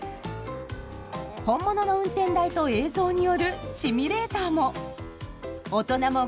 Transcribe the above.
本物の運転台と映像によるシミュレーターも。